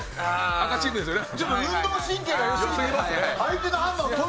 赤チームですよね？